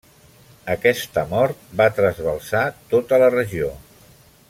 Aquesta mort va trasbalsar tota la regió.